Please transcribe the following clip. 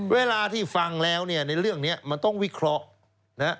เวลาที่ฟังแล้วเนี่ยในเรื่องนี้มันต้องวิเคราะห์นะฮะ